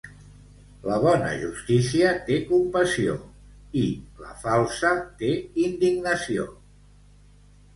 La bona justícia té compassió i, la falsa, té indignació.